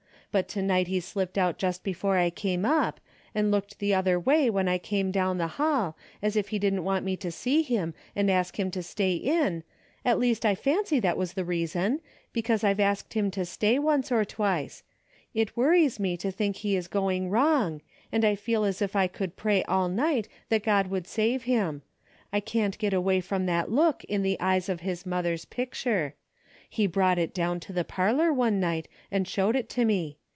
But to night he slipped out just before I came up, and looked the other way when I came down the hall, as if he didn't want me to see him and ask him to stay in, at least I fancy that was the reason, because I've asked him to stay once or twice. It worries me to think he is going wrong, and I feel as if I could pray all night that God would save him. I can't get away from that look in the eyes of his mother's picture. He brought it down to the parlor one night and showed it to me.